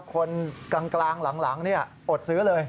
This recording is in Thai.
คนกลางหลังอดซื้อเลย